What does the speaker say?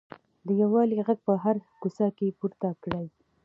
د یووالي غږ په هره کوڅه کې پورته کړئ.